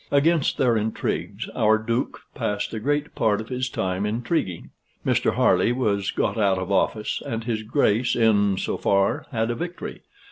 Against their intrigues, our Duke passed a great part of his time intriguing. Mr. Harley was got out of office, and his Grace, in so far, had a victory.